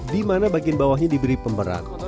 dimana bagian bawahnya diberi pemberan